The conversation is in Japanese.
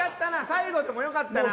最後でもよかったな。